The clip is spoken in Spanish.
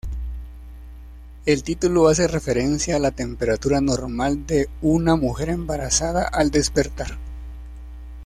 El título hace referencia a la temperatura normal de una mujer embarazada al despertar.